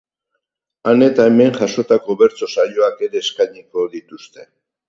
Han eta hemen jasotako bertso saioak ere eskainiko dituzte.